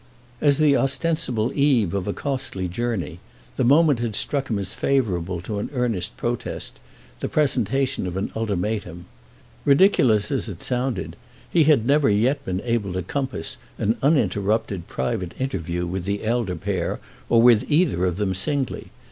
As the ostensible eve of a costly journey the moment had struck him as favourable to an earnest protest, the presentation of an ultimatum. Ridiculous as it sounded, he had never yet been able to compass an uninterrupted private interview with the elder pair or with either of them singly.